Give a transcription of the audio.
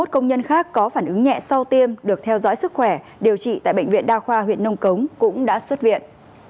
hai mươi công nhân khác có phản ứng nhẹ sau tiêm được theo dõi sức khỏe điều trị tại bệnh viện đa khoa huyện nông cống cũng đã xuất viện